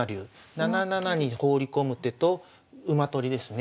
７七に放り込む手と馬取りですね。